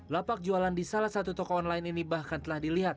lapak jualan di salah satu toko online ini bahkan telah dilihat